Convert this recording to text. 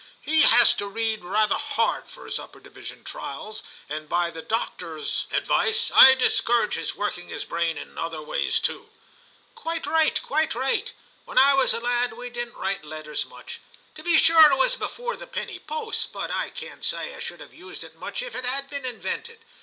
he has to read rather hard for his upper division trials, and by the doctors 284 TIM CHAP. advice, I discourage his working his brain in other ways, too.' * Quite right, quite right. When I was a lad we didn't write letters much. To be sure, it was before the penny post ; but I can't say I should have used it much if it had been invented.